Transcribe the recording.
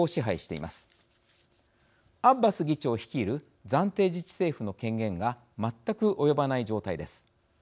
アッバス議長率いる暫定自治政府の権限が全く及ばない状態です。